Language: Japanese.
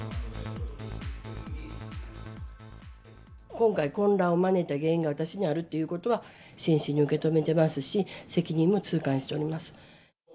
今回、混乱を招いた原因が私にあるということは真摯に受け止めてますし、責任も痛感しております。